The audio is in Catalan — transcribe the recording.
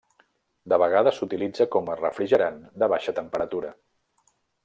De vegades s'utilitza com a refrigerant de baixa temperatura.